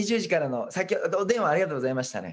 さっきお電話ありがとうございましたね。